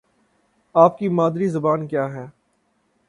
آپ کی مادری زبان کیا ہے؟